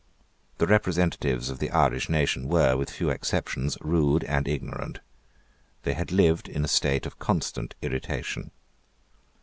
The representatives of the Irish nation were, with few exceptions, rude and ignorant. They had lived in a state of constant irritation.